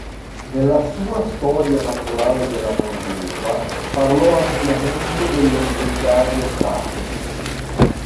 Nella sua "Storia naturale della Norvegia" parlò ampiamente del leggendario Kraken.